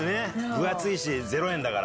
分厚いし０円だから。